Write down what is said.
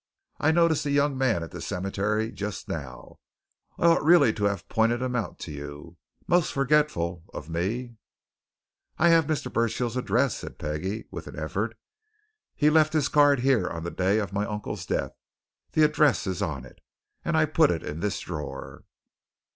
"I noticed the young man at the cemetery just now I ought really to have pointed him out to you most forgetful of me!" "I have Mr. Burchill's address," said Peggie, with an effort. "He left his card here on the day of my uncle's death the address is on it. And I put it in this drawer."